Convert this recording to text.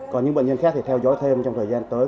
còn những bệnh nhân khác thì theo dõi thêm trong thời gian tới